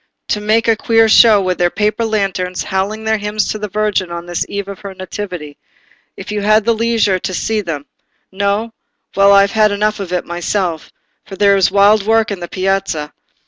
They make a queer show, with their paper lanterns, howling their hymns to the Virgin on this eve of her nativity—if you had the leisure to see them. No?—well, I have had enough of it myself, for there is wild work in the Piazza.